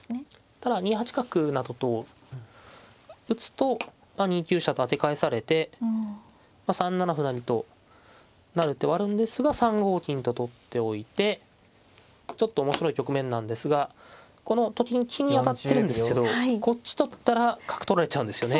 ただ２八角などと打つと２九飛車と当て返されて３七歩成と成る手はあるんですが３五金と取っておいてちょっと面白い局面なんですがこのと金金に当たってるんですけどこっち取ったら角取られちゃうんですよね。